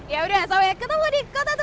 yaudah sampai ketemu di kota tua